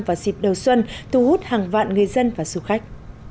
vào dịp đầu xuân thu hút hàng vạn người dân và du khách